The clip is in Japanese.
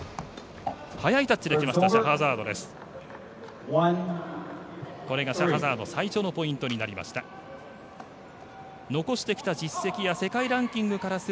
速いタッチできましたシャハザードです。